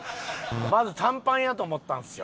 まず短パンやと思ったんですよ。